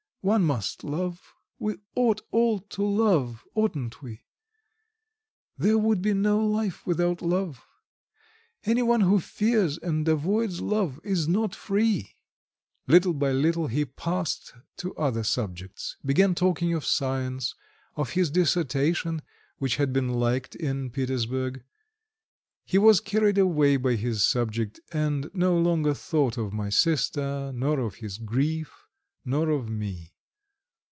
One must love; we ought all to love oughtn't we? There would be no life without love; anyone who fears and avoids love is not free." Little by little he passed to other subjects, began talking of science, of his dissertation which had been liked in Petersburg. He was carried away by his subject, and no longer thought of my sister, nor of his grief, nor of me.